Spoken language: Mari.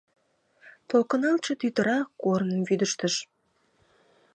Толкыналтше тӱтыра корным вӱдыжтыш.